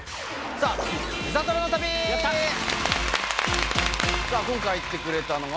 さぁ今回行ってくれたのは。